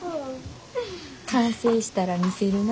完成したら見せるな。